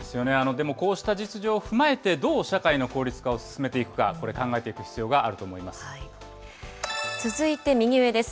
でもこうした実情を踏まえて、どう社会の効率化を進めていくか、これ、考えていく必要があると思続いて右上です。